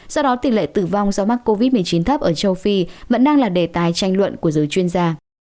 do đó tỷ lệ tử vong do mắc covid một mươi chín thấp ở châu phi vẫn đang là đề tài tranh luận của giới chuyên gia